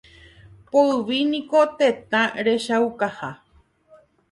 Poyvi niko tetã rechaukaha.